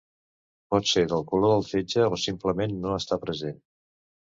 Pot ser del color del fetge o simplement no estar present.